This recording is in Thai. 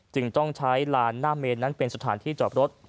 จึงต้องใช้ลานหน้าเมนนั้นเป็นสถานที่จอดรถ